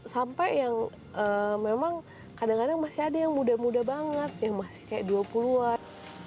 sampai yang memang kadang kadang masih ada yang muda muda banget yang masih kayak dua puluh an